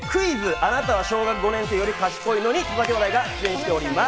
あなたは小学５年生より賢いの？』に土佐兄弟が出演しております。